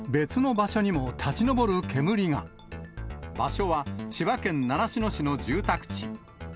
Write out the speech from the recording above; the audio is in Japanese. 場所は千葉県習志野市の住宅地。